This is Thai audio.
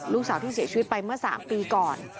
ลูกสาวที่เสียชีวิตไปเมื่อ๓ปีก่อน